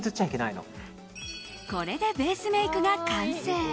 これでベースメイクが完成。